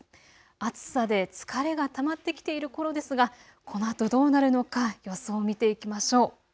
暑さで疲れがたまってきているころですがこのあとどうなるのか予想を見ていきましょう。